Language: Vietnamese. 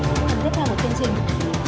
hãy tiếp tục theo một chương trình